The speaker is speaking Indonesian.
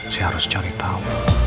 saya harus cari tahu